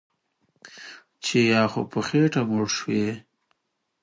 چې یا خو په خېټه موړ شوی